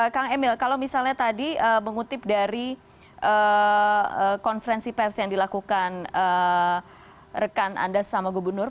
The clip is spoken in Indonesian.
kang emil kalau misalnya tadi mengutip dari konferensi pers yang dilakukan rekan anda sama gubernur